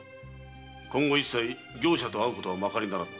今後一切業者と会うことはまかりならぬ。